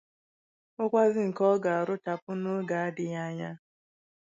bụkwazị nke ọ ga-arụchapụ n'oge adịghị anya